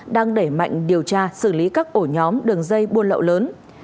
đang đẩy mạnh điều tra xử lý các ổ nhóm đường dây buôn lậu lớn